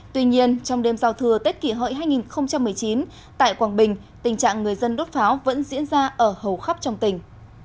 tuy nhiên trong đêm giao thừa tết kỷ hợi hai nghìn một mươi chín tại quảng bình tình trạng người dân đốt pháo vẫn diễn ra ở hầu khắp trong tỉnh